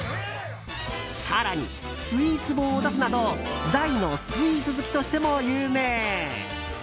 更に、スイーツ本を出すなど大のスイーツ好きとしても有名。